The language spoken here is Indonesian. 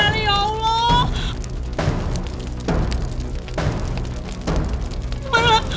alih ya allah